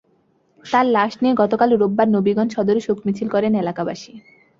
তাঁর লাশ নিয়ে গতকাল রোববার নবীগঞ্জ সদরে শোক মিছিল করেন এলাকাবাসী।